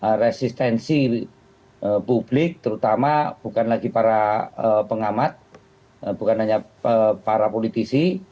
karena resistensi publik terutama bukan lagi para pengamat bukan hanya para politisi